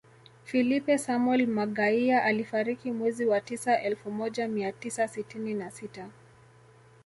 Filipe Samuel Magaia alifariki mwezi wa tisa elfu moja mia tisa sitini na sita